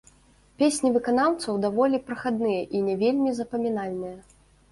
Песні выканаўцаў даволі прахадныя і не вельмі запамінальныя.